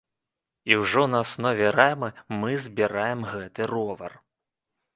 І ўжо на аснове рамы мы збіраем гэты ровар.